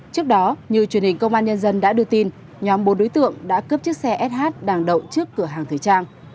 trước đó như truyền hình công an nhân dân đã đưa tin nhóm bốn đối tượng đã cướp chiếc xe sh đang đậu trước cửa hàng thời trang